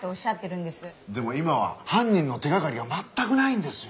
でも今は犯人の手掛かりが全くないんですよ。